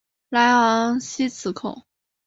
莱昂西兹孔。